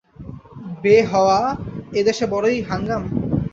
বে হওয়া এদেশে বড়ই হাঙ্গাম।